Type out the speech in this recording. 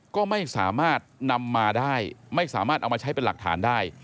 ก็ไม่สามารถนำมาได้ไม่สามารถเอามาใช้เป็นหลักฐานได้